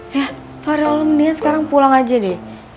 ya farel niat sekarang pulang aja deh